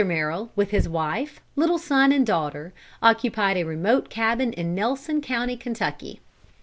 Merrill, with his wife, little son and daughter, occupied a remote cabin in Nelson County, Kentucky.